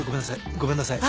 ごめんなさい。